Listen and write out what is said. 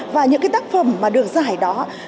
và những cái tác phẩm mà được giải đó